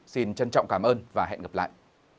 xin trân trọng cảm ơn và hẹn gặp lại